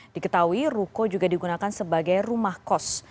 diketahui ruko juga digunakan sebagai rumah kos